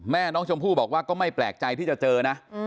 แม่น้องชมพู่บอกว่าก็ไม่แปลกใจที่จะเจอนะ